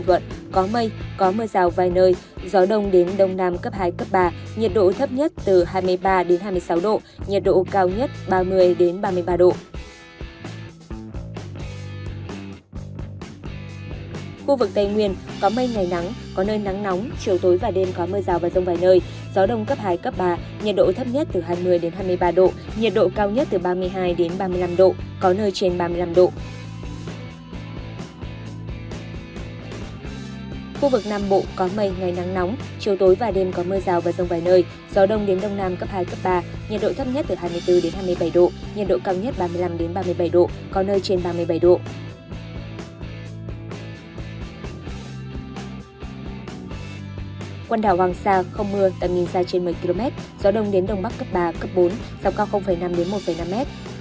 quần đảo hoàng sa không mưa tầm nhìn xa trên một mươi km gió đông đến đông bắc cấp ba cấp bốn dọc cao năm một năm m